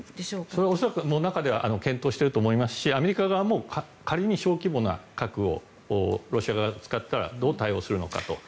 それは恐らく中では検討していると思いますしアメリカ側も仮に小規模な核をロシア側が使ったらどう対応するのかと。